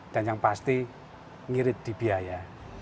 dan yang pasti ngirit di biaya